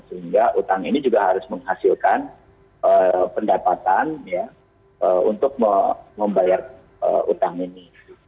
sehingga utang ini juga harus menghasilkan pendapatan untuk membayar utang ini